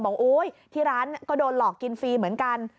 โอ๊ยที่ร้านก็โดนหลอกกินฟรีเหมือนกัน